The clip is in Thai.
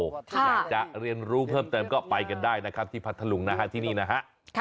อยากจะเรียนรู้เพิ่มเต็มก็ไปกันได้ที่ผัดถลุงที่นี่นะคะ